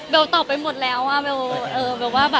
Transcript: เบลย์ตอบไปหมดแล้ว